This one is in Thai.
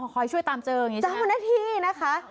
ขอให้ช่วยตามเจออย่างนี้ใช่ไหมคะจ้าวนาทีนะคะ